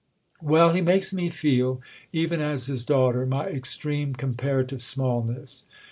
"Well, he makes me feel—even as his daughter—my extreme comparative smallness."